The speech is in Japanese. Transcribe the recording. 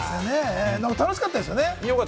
楽しかったですよね？